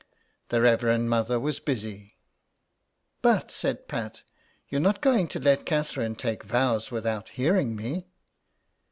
The Reverend Mother was busy. " But," said Pat, " you're not going to let Catherine take vows without hearing me.''